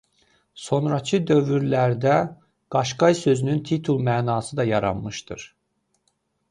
Sonrakı dövrlərdə qaşqay sözünün titul mənası da yaranmışdır.